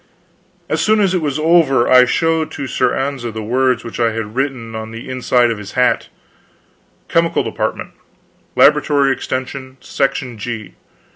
As soon as it was over I showed to Sir Ozana these words which I had written on the inside of his hat: "Chemical Department, Laboratory extension, Section G.